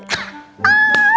aaaaa pepat terus mbak